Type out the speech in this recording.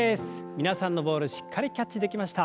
皆さんのボールしっかりキャッチできました。